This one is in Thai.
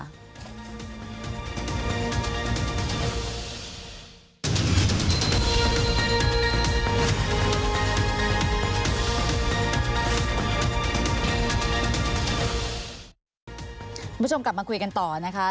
คุณผู้ชมกลับมาคุยกันต่อนะคะ